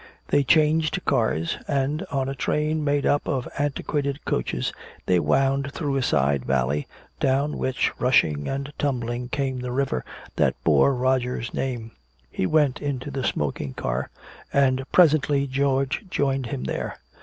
They changed cars, and on a train made up of antiquated coaches they wound through a side valley, down which rushing and tumbling came the river that bore Roger's name. He went into the smoking car, and presently George joined him there.